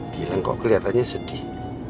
gilang kok keliatannya sedih